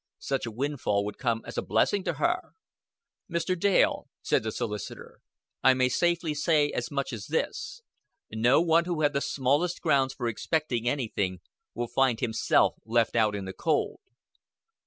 Such a windfall would come as a blessing to her." "Mr. Dale," said the solicitor, "I may safely say as much as this. No one who had the smallest grounds for expecting anything will find himself left out in the cold."